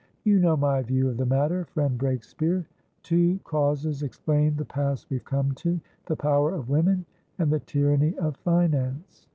You know my view of the matter, friend Breakspeare. Two causes explain the pass we've come tothe power of women and the tyranny of finance.